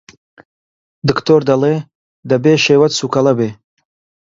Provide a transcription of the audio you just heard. دکتۆر دەڵێ دەبێ شێوت سووکەڵە بێ!